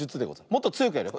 もっとつよくやるよ。